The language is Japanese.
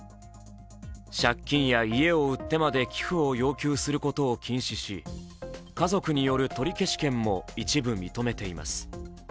借金や家を売ってまで寄付を要求することを禁止し家族による取消権も一部認めています。